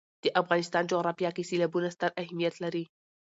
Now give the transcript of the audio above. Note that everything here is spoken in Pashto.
د افغانستان جغرافیه کې سیلابونه ستر اهمیت لري.